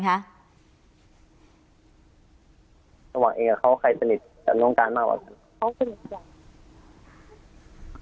เขาสนิทกับ